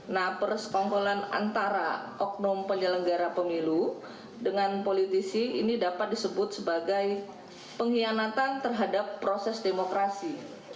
nah persekongkolan antara oknum penyelenggara pemilu dengan politisi ini dapat disebut sebagai pengkhianatan terhadap proses demokrasi